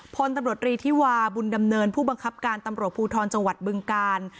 พลตำรวจรีธิวาบุญดำเนินผู้บังคับการตำรวจภูทรจังหวัดบึงกาล